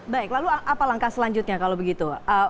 baik lalu apa langkah selanjutnya kalau begitu